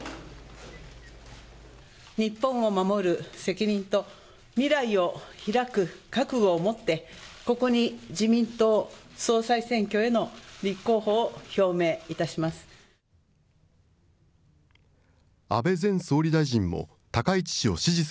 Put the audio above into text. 日本を守る責任と、未来をひらく覚悟を持って、ここに自民党総裁選挙への立候補を表明いたします。